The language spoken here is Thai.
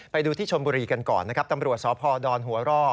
ไปดูที่ชนบุรีกันก่อนนะครับตำรวจสพดหัวร่อ